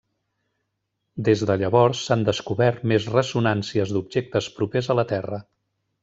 Des de llavors s'han descobert més ressonàncies d'objectes propers a la Terra.